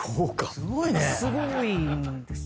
すごいんですよ。